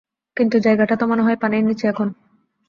কিন্তু, জায়গাটা তো মনে হয় পানির নিচে এখন!